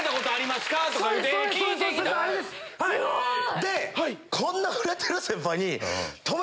すごい！でこんな売れてる先輩に。